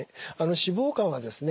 脂肪肝はですね